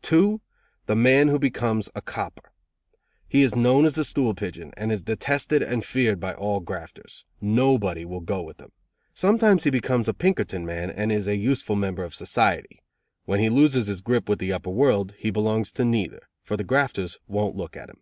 2. The man who becomes a copper. He is known as a stool pigeon, and is detested and feared by all grafters. Nobody will go with him. Sometimes he becomes a Pinkerton man, and is a useful member of society. When he loses his grip with the upper world, he belongs to neither, for the grafters won't look at him.